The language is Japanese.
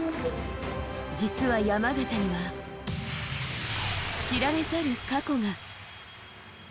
実は山縣には知られざる過去が。